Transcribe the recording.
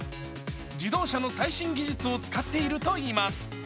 自動車の最新技術を使っているといいます。